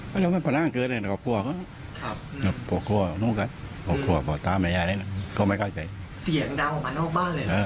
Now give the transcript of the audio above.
เคยเข้าไปห้ามเขาบ้างไหมครับ